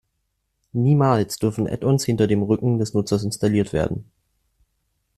Niemals dürfen Add-ons hinter dem Rücken des Nutzers installiert werden.